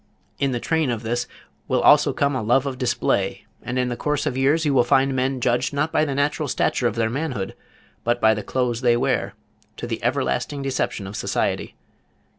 In the train of this will come also a love of display, and in the course of years you will find men judged not by the natural stature of their manhood, but by the clothes they wear, to the everlasting deception of society.